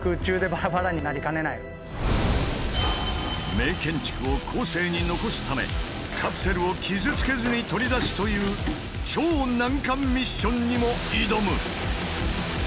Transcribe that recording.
名建築を後世に残すためカプセルを傷つけずに取り出すという超難関ミッションにも挑む！